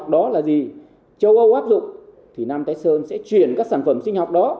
đó là mục tiêu để giữ môi trường xanh